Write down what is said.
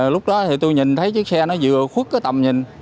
lúc đó thì tôi nhìn thấy chiếc xe nó vừa khuất cái tầm nhìn